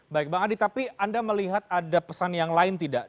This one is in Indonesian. baik bang adi tapi anda melihat ada pesan yang lain tidak